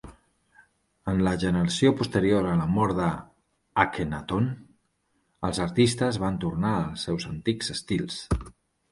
En la generació posterior a la mort d'Akhenaton, els artistes van tornar als seus antics estils.